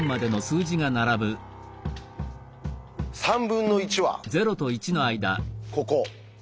３分の１はここ。